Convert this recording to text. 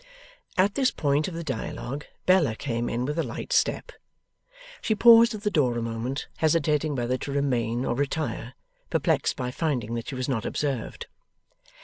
At this point of the dialogue Bella came in with a light step. She paused at the door a moment, hesitating whether to remain or retire; perplexed by finding that she was not observed.